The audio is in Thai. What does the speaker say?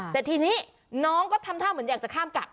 แต่ทีนี้น้องก็ทำท่าเหมือนอยากจะข้ามกลับ